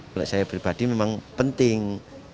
kalau saya pribadi memang penting